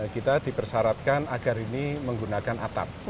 kita dipersyaratkan agar ini menggunakan atap